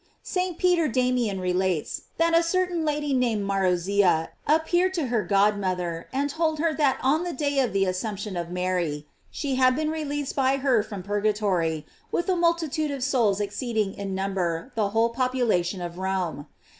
St. Peter Damian relates,f that a certain lady, named Marozia, after death, appeared to her god mother, and told her that on the day of the As sumption of Mary she had been released by her from purgatory, with a multitude of souls ex ceeding in number the whole population of Rome.